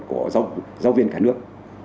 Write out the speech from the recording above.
của giáo viên cả nước